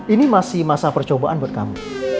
ini masih masa percobaan buat kamu